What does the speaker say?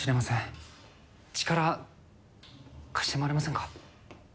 力貸してもらえませんか？